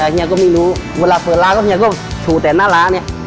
เฮียก็ไม่รู้เวลาเปิดร้านก็เฮียก็ถูแต่หน้าร้านเนี่ย